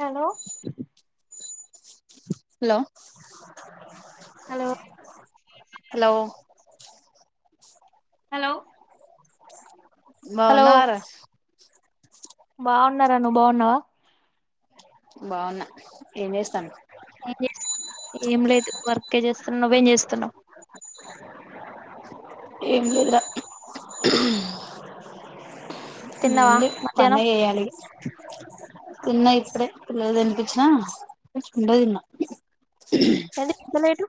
Hello hello hello hello hello బావున్నా వారా బావున్నా రా నువ్వు బావున్నావా బావున్నా ఏం చేస్తాన్నావ్ ఏం చేస్ ఏం లేదు వర్కే చేస్తున్న నువ్వేం చేస్తున్నావు ఏం లేదురా ఏం తిన్నావా లేదు మధ్యాహ్నం పనే చెయ్యాలి తిన్నా ఇప్పుడే పిల్లల తినిపిచ్చిన ఉండ తిన్నా ఏది పిల్ల లేదు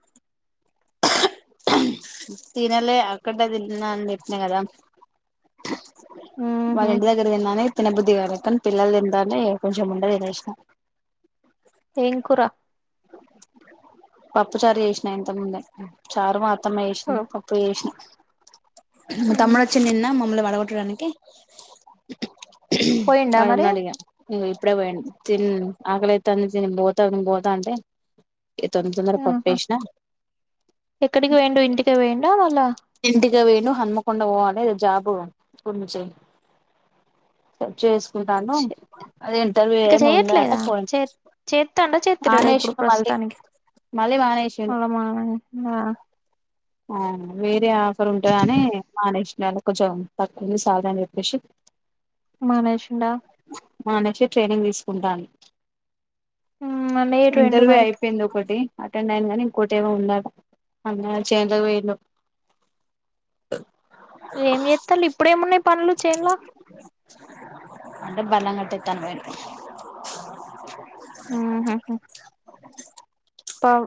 తినలే అక్కడదే తింటున్నానని చెప్పిన కదా ఉహు మాఇంటి దగ్గర తిన్నానే తిన బుద్ధిగాాదక్క పిల్లలు తింటాంటే కొంచెం ముందనే తినేసినా ఏం కూర పప్పు చారు చేసిన ఇంతకు ముందే చారు మా అత్తమ్మ పప్పు చేసిన మా తమ్ముడు వచ్చి నిన్న మమ్మల్ని వద రా నికి పోయిండా ఆడు మరి ఉన్నాడిగా ఇంగో ఇప్పుడే పోయిండు తిన్ ఆకలేత్తాంది తిని పోతాను పోతా అంటే తొందర తొందర ఆహా పప్పేసిన ఎక్కడికి పోయిండు ఇంటి ఇంట పోయిండా మళ్ళ ఇంటికే పోయిండు హన్మకొండ పోవాలె జాబ్ గురించె సర్చ్ చే కుంటాను అది ఇంటర్వ్యూ ఇక ఏమి ఉందంట చెయ్యట్లేదా పో చే చేత్తాండా చేత్తలేడా ఇప్పుడు మానేసిండు మళ్ళీ ప్రస్తుతానికి మళ్ళీ మానేసిండు మళ్ళ మా ఆ వేరే ఆఫర్ ఉంటదని మానేసిన వాళ్ళ కొంచెం తక్కువకి సాలరి అని చెప్పేసి మానేశిండా మానేసి ట్రైనింగ్ తీసుకుంటాండ్ మళ్ళ ఎటు పోయిండు ఇంటర్వ్యూ మరి అయిపోయిందొకటి అటెండ్ అయిండు కానీ ఇంకోటేమో ఉందట అన్నయ్ [inaudible] చె ఎంతకు పోయిండో ఏం చేస్తాల్ ఇప్పుడేమున్నయి పన్లు చేన్లో అంటే బల్లం గట్టొతాని పోయిన్ ఊహూ పౌ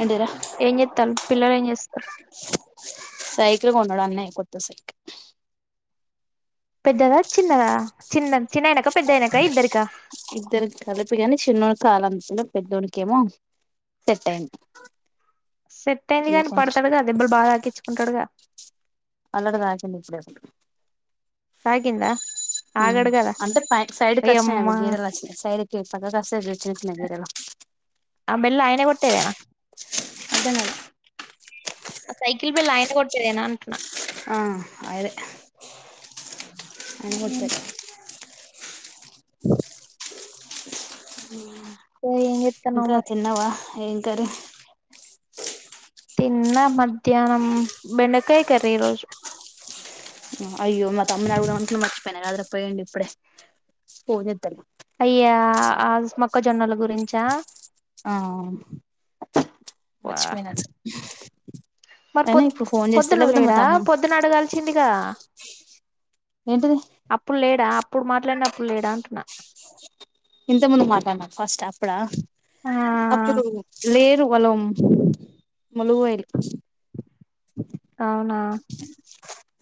ఏంటిదిరా ఏం చేత్తారు పిల్లలు ఏం చేస్తారు సైకిలు కొన్నడు అన్నయ్య కొత్త సైకిలు పెద్దదా చిన్నదా చిన్న చిన్నాయనకా పెద్దాయనకా ఇద్దరికా చిన్నోడికాలందుతుంది పెద్దోడికేమో సెట్ అయింది సెట్ అయింది ఇగ గానీ కొంచెం పడతాడుగా దెబ్బలు బాగా తాకిచుకుంటాడుగా అల్లటి తాకిందిప్పుడెప్పుడు తాకిందా ఆగడు కదా అంటే పై సైడ్కి వచ్చినాయి అవి ఓయమ్మా గీరెలు వచ్చినాయి సైడ్కి పక్కకి వస్తాయి చిన్న చిన్న గీరెలు దెగొట్టేదేనా అర్ధం గాలా ఆ సైకిల్ బెల్ ఆయన కొట్టేదేనా అంటున్నా అయనే ఏం జేత్తారు తే ఏం చేత్తన్నా మరి క్కరే తిన్నా మధ్యాహ్నం బెండకాయ కర్రి ఈ రోజు అయ్యో మా తమ్ముని అడుగుదామనుకున్నా మర్చి పోనగాదర పోయిండిప్పుడే ఫోన్ జేత్తలే అయ్యా ఆ మొక్కజొన్నల గురించా ఆ మర్చిపోయినా మరి అయినా పొద్ ఇప్పుడు ఫోన్ చేస్తా పొద్దున లేకపోతే మా లేడా తమ్ము పొద్దున అడగాల్సిందిగా ఏంటిది అప్పుడు లేడా అప్పుడు మాట్లాడినప్పుడు లేడా అంటున్నా ఇంత ముందు మాట్లాడినా ఫస్ట్ అప్పుడా ఆ అప్పుడు లేరు పొలం మోల్లు పోయనికి అవునా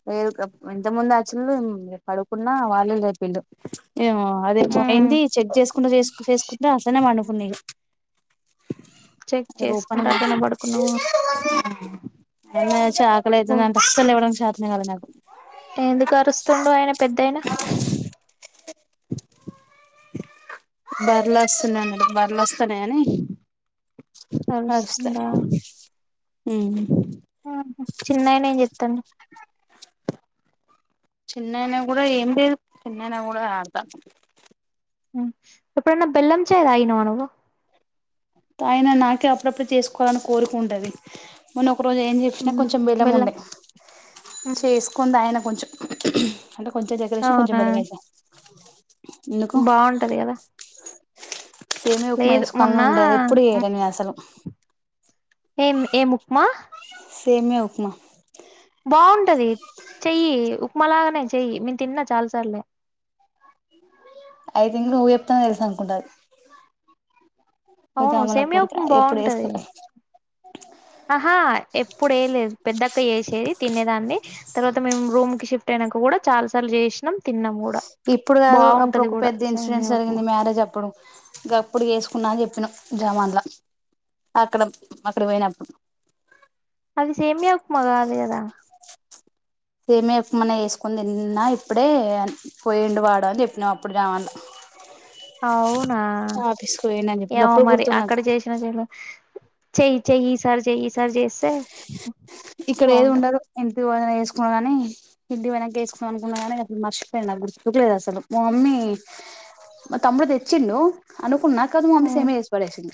లేదు ఇంత ముందు అచ్చలు పడుకున్నా వాళ్ళు లేపిండు ఏమో అదే ఉమ్ పోయింది చె చేసుకుంటూ చేసు చేసుకుంటే అట్లనే పండుకుంది చెక్ ఓపన్ చేసుకుంటూ గ అట్లనే పడుకున్నావా మ [inaudible] చా ఓ ఆకలైతుందంట అస్సలు ఇవ్వడం చేత నేల నాకు ఎందుకు అరుస్తుండు ఆయన పెద్దాయనా బర్రెలొస్తున్నాయన్నాడు బర్రెలొస్తున్నాయని వస్తే అరుస్తుండా హ్మ్ ఆహా చిన్నాయన ఏం చెత్తండు చిన్నైనా గూడా ఏం లేదు చిన్నైనా గూడా ఆడతా హ్మ్ ఎప్పుడన్న బెల్లం ఛాయ్ తాగినవ నువ్వు అయిన నాకే అప్పుడప్పుడు చేసుకోవాలని కోరికుంటది మన ఒక రోజు ఏం చేసినా కొంచెం బెల్లం ఉండే ఉమ్ చేసుకుని తాగిన కొంచెం అలో కొంచెం చక్కెర ఏసాం. కొంచెం బెల్లమేసాం. బావుంటది కదా సేమియా ఉప్మా లేదు చేసుకోవాలని మొన్న ఉండేది ఎప్పుడూ చేయల నేను అస్సలు ఏం ఏం ఉప్మా సేమియా ఉప్మా బావుంటది చెయ్యి ఉప్మాలాగానే చెయ్యి నేను తిన్నా చాలా సార్లు ఐ థింక్ నువ్వు చెప్తేనే తెలుసు అనుకుంటా అది అవును జాముల సేమియా కోరిక ఉప్మా ఎప్పుడు బావుంటది. చేసుకోలే ఆహా ఎప్పుడూ ఏయ లేదు పెద్దక్క చేేసే తినేదాన్ని తర్వాత మేము రూమ్ కి షిఫ్ట్ వెనక గూడా డా చాలా సార్లు చేసినాం తిన్నాము గూ ఇప్పుడు కాదు అప్పుడు ఒక పెద్ద ఇన్సిడెంట్ ఉప్మా జరిగింది మ్యారేజ్ అప్పుడు గప్పుడు వేసుకున్నా అని చెప్పినా జమాన్లా అక్కడ అక్కడకి పోయినప్పుడు అది సేమ్యా ఉప్మా కాదు గదా సేమ్యా ఉప్మాన్న చేసుకుని తిన్నా ఇప్పుడే అన్ పోయిండు వాడు అని చెప్పిన అప్పుడు జమాన్ల్ అవునా పోయిండు అని చెప్పి ఏమో గప్పుడు మరి గుర్తు అక్కడ నాకు చేసిన చేయట్లో చెయ్యి చెయ్యి ఈసారి చెయ్యి ఈసారి చేస్తే హ్ ఇక్కడ ఏది ఉండలో ఎం ఇంటికివోయినంక వేసుకుందమని అని ఇంటికివొయినంక వేసుకుందాం అనుకున్నా గానీ అసలు మర్చిపోయిన అది గుర్తుకు లేదు అసలు మా మమ్మీ మా తమ్ముడు తెచ్చిండు అనుకున్నా కాదు మా మమ్మీ ఉమ్ సేమ్య చేసి పడేసింది.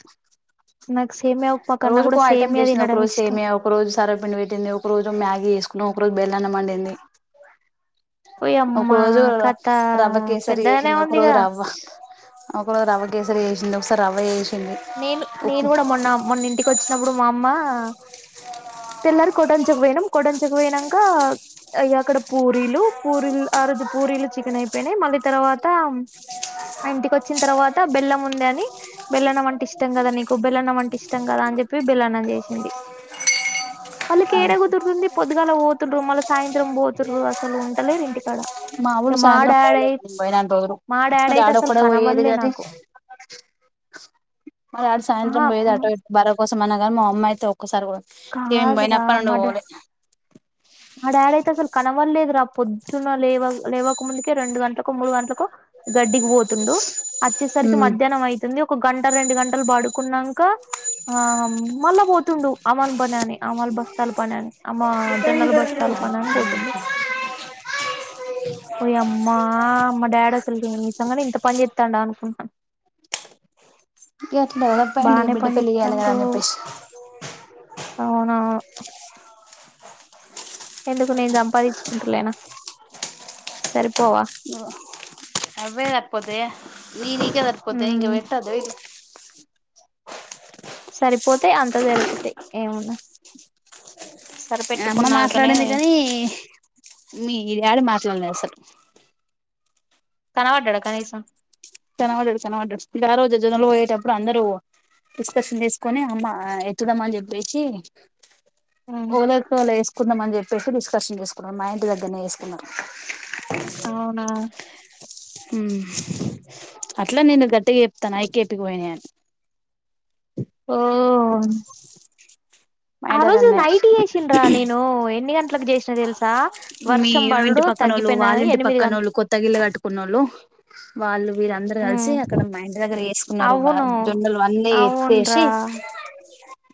నాకు సేమ్మ్యా ఉప్మా కన్నా కూడా రోజుకో సేమ్యా తినడం ఇష్టం. రేటే ఉంది. ఒక్కరోజున్న మ్యాగీ చేసుకుంన్నాం ఒక్కరోజు బెల్లన్నాం వండింది. ఒక వోయమ్మ రోజు కథ రవ్వ పెద్దగానే ఉందిగా ఒకరోజు రవ్వ కేసరి చేసిండు ఒకసారి రవ్వ వేసి నేన్ నేను కూడా మొన్న మొన్ ఇంటికి వచ్చి చినప్పుడు మా అమ్మ తెల్లారు కొటంచుకు పోయినాం కొటంచుకు పోయినంకా అ అక్కడ పూరీలు పూరీలు ఆ రోజు పూరీలు చికెన్ అయిపోయినాయి మళ్ళీ తర్వాత మ్ ఆ ఇంటికి వచ్చిన తర్వాత బెల్లం ఉందని. బెల్లన్నం వం కిష్టం కదా నీకు బెల్లన్నం అంటే ఇష్టంగా కదా అని చెప్పి బెల్లన్నం చేసింది. వాళ్ళకి ఏడ కుదురుంది. పొద్దుగాల పోతుర్రు మళ్ళ సాయంత్రం పోతుర్రు అసలు ఉంటలేరు. ఇంటికాడ ఇగ మావులు మా సాయంత్రం డాడీ పోలేదండి. పోయినన్ని రోజులు మా డాడీ అయితే అసలు డాడొక్కడే పోయ్యేది కనవల్లే గాని నాకు మా డాడి సాయంత్రం ఆహా పోయేది. ఆటో ఇటో బారాబ కోసం అనగా మా అమ్మాయితే ఒప్ ఒక్కసారి పోదాం ఇగ మేం కాదురా పోయినప్పడి నుండి మా డా పోలే మా డాడీ అయితే అసలు కనవల్లేదు రా పొద్దున లేవాన్ లేవక ముందుకే రెండు గంట్లకో, మూడు గంట్లకో, గడ్డికి పోతుండు. అచ్చేసరికి మధ్యాహ్నం అయితుంది. ఒక గం క రెండు గంటలు బాడుక్ కున్నంక ఆమ్ మళ్ళ పోతుండు అమాను పనని అమాల్ బస్తాల్ పనని అమాల్ జొన్నలు ఇగ బస్తాలు పని అని పోతుండు. వోయమ్మా మా డాడీ అసలు నిజంగనే ఇంత పని చేత్తాండ అనుకుం ఎట్ల కూడా పెండ్లి బాగానే బిడ్డ పని పెళ్లి చేయాలా కదా చేత్తాండు అని చెప్పేసి అవునవును ఎందుకు నేను సంపాదించుకుంటలేనా సరిపోవా ఓ అవ్వే సరిపోతాయా మియ్యి మీకే సరిపోతాయా ఇంక ఉమ్ పెట్టద్దా వీళ్ళు సరిపోతాయి అంతా సరిపోతాయి ఏమున్న అమ్మ మాట్లాడింది కానీ మీ డాడి మాట్లాడలే అసలు కనవడ్డడా కనీసం కనవడ్డడు కనవడ్డడు ఇకా ఆ రోజు జనంలో పోయేటప్పుడు అందరూ డిస్కషన్ చేసుకొని అమ్మ ఎత్తుదం అని చెప్పేసి ఉమ్ ఒలక్ వొల వేసుకుందాంమని చె పెట్టి డిస్కర్షన్ చేసుకున్నరు, మా ఇంటి దగ్గరనే వేసుకున్నరు అవునా మ్ అట్లా నేను గట్టిగా చెప్తాను ఐకేపి కిపోయినాయని ఓ అం మా ఇంటి దగ్గరనే నేను ఎన్ని గంటలకు చేసిన తెలుసా మీ వర్షం ఈవెంటి పడుడు పక్కనోళ్ళు తగ్గిపోయినా వాళ్ళింటి ఎనిమిది పక్కనోళ్ళు గంటలు కొత్త గిళ్ళు కట్టుకున్నోళ్ళు వాళ్ళు వీరందరు ఉమ్ కలిసి అక్కడ మా ఇంటి దగ్గర వేసుకున్నారు అవును జొన్నలు వన్నీ ఎత్తేసి అవున్రా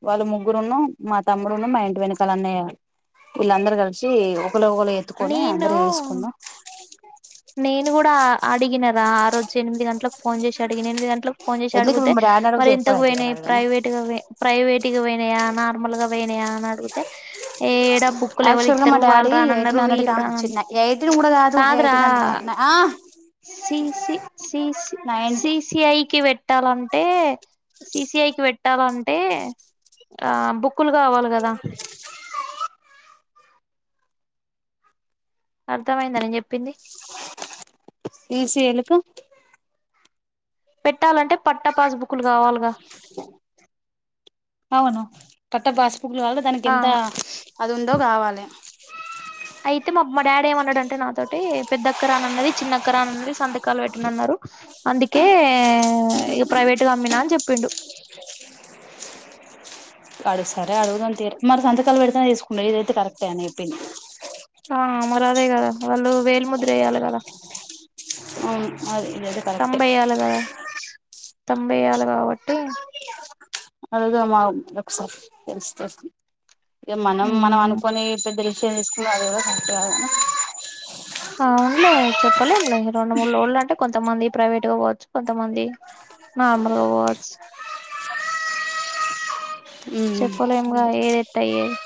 వాళ్ళు ముగ్గురును, మా తమ్ముడు ను మా ఇంటి వెనకాల అన్నయ వీళ్ళందరూ కలిసి ఒకలు ఒకలు ఎత్తుకొని నేను అందరు వేసుకున్నాం నేను కూడా అడిగిన ఆ రోజు ఎనిమిది గంటలకు ఫోన్ చేసి అడిగిన ఎనిమిది గంటలకు ఫోన్ చేసి ఎందుకు అడుగుతే మా డాడీని మరి అడిగితే ఎంతకు చెప్పడైతది కదా పోయినాయి గాని ప్రైవేట్ గా పోయినయా నార్మల్ గా పోయినాయా అనడుగుతే ఏ యాక్చువల్ గా మా బుక్కులెవరిత్తరు వాళ్ళు డాడీ రానన్న ఎయిటీన్ లు హండ్రెడ్ వీలు కి రానన్ ఎయిటీన్ కూడా కాదు కాదురా ఎయిటీన్ అంటున్న C C C C C ninety C I కి వెట్ పట్టాలంటే సి సి ఐ పెట్టాలంటే ఆ బు క్కులు కావాలి కదా అర్థమైందా నేను చెప్పింది సి సి ఏల్ కు పెట్టాలంటే పట్ట పాస్ బుక్ క్కులు కావాలిగా పట్టా పాస్ [unintelligible] ఆ దానికెంత అదుందో కావాలి [unintelligible] అయితే మా మా డాడీ ఏమన్నాడంటే నాతోటి పెద్దక్కరానన్నది చిన్నక్కరానన్నది సంతకాలు పెట్టనన్నారు అందుకే ఇక ప్రైవేట్ గా అమ్మినా అని చెప్పిండు అడుగు సరే అడుగుదాం తీరి మరి సంతకాలు పెడితేనే తీసుకుంట ఇదైతే కరెక్టే నే చెప్పింది. ఆ మరి అదే కదా వాళ్ళు వేలు ముద్ర ఎయ్యాలి కదా అవును అది గది కరెక్టే తంబ్ ఎయ్యాల కాబట్టి వెళ్దామా ఒకసారి తెలుస్తది. ఇగ మనం మనం అనుకోని పెద్దలు చేయించుకున్న అది కూడా కరెక్టు కాదు అవునులే చెప్పలేం లె రెండు మూడు లోడ్లు అంటే కొన్ కొంతమంది ప్రైవేట్ గా వోవచ్చు కొన్ కొంతమంది మామూలుగా వోవచ్చు చెప్పలేంగా ఏది ఎట్ అయ్యేది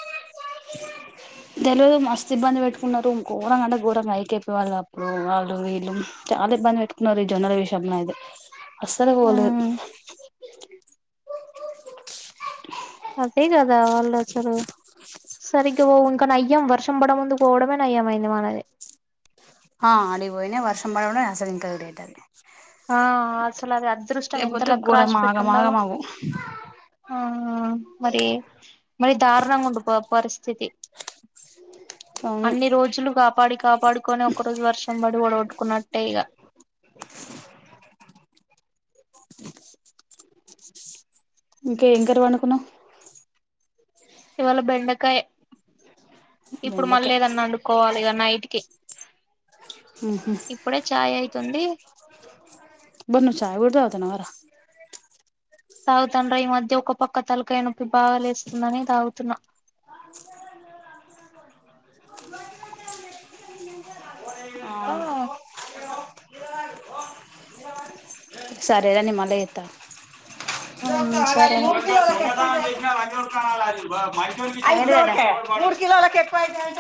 తెలియదు మస్తు ఇబ్బంది పెట్టుకున్నారు ఘోరంగా అంటే ఘోరంగా అయితేయిపు వాళ్లకు వాళ్ళు వీళ్ళు చాలా ఇబ్బంది పెట్టుకున్నారు, ఈ జనాల విషయంలో అయితే అస్సలు వోలే ఉమ్ అదే కదా వాళ్ళు అసలు సరిగ్గావోవు ఇంకా నయ్యాం వర్షం పడ ముందు పోవడమే నయ్యమయింది మనది. ఆ ఆడిగి వోయిన వర్షం పడుడే అసలు ఇంకా డేటంది ఆ అసలు అది అదృష్టం ఎంత లేకపోతే లక్కు ఘోరం రాసి పెట్టి ఆగం ఉండాల ఆగం అవు ఆ మరి, మరి ధారుణంగా ఉండు పో పరిస్థితి అవును అన్ని రోజులు కాపాడి కాపాడుకొని ఒకరోజు వర్షం పడి వుడగొట్టుకున్నట్టే ఇగ అ ఇంకా ఇంకేడ వనుకున్నావ్ ఇవాళ బెండకాయ్ ఇప్పుడు మళ్ళీ బెండకాయ్ ఎదెన్నా అండుకోవాలి ఇగ నైటికి ఉహు చాయ్ అయితుంది బ్బ నువు ఛాయ్ కూడ తాగుతున్నావార తాగుతండ్ర ఈ మధ్య ఒక పక్క తలకాయ నొప్పి బాగాలేస్తుందని తాగుతున్నా తా సరేరా నే మల్ల ఎత సరేనే అది బోకే మూడు కిలోలలకు ఎక్కువైతాదంటే